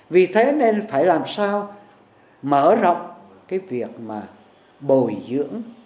vì thế nên phải làm sao mở rộng cái việc mà bồi dưỡng